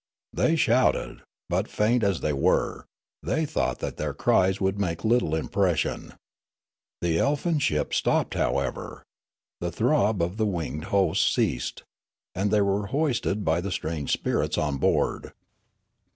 They shouted ; but, faint as they were, they thought that their cries would make little impression. The elfin ship stopped, however ; the throb of the winged host ceased ; and they w^ere hoisted by the strange spirits on board.